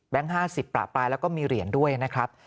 ๕๐ประปรายแล้วก็มีเหรียญด้วยนะครับ